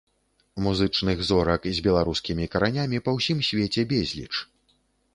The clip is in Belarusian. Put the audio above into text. Музычных зорак з беларускімі каранямі па ўсім свеце безліч.